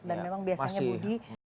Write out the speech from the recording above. dan memang biasanya budi